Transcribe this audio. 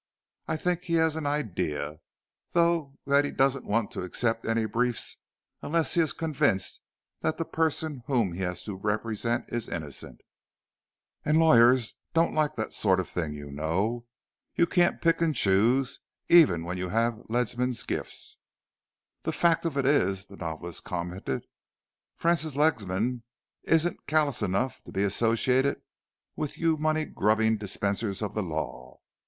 "I think he has an idea, though, that he doesn't want to accept any briefs unless he is convinced that the person whom he has to represent is innocent, and lawyers don't like that sort of thing, you know. You can't pick and choose, even when you have Ledsam's gifts." "The fact of it is," the novelist commented, "Francis Ledsam isn't callous enough to be associated with you money grubbing dispensers of the law.